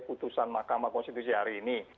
putusan mahkamah konstitusi hari ini